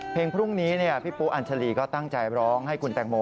พรุ่งนี้พี่ปูอัญชาลีก็ตั้งใจร้องให้คุณแตงโม